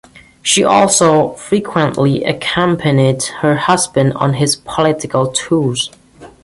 She also frequently accompanied her husband on his political tours.